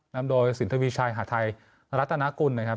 นำโดยสิทธิวิชัยหาทัยรัตนกุลนะครับ